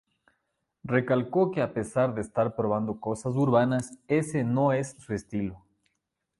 Recalcó que a pesar de estar probando cosas urbanas, ese no es su estilo.